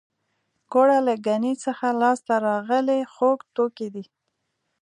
ګوړه له ګني څخه لاسته راغلی خوږ توکی دی